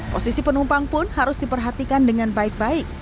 posisi penumpang pun harus diperhatikan dengan baik baik